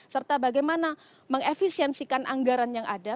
serta bagaimana mengefisiensikan anggaran yang ada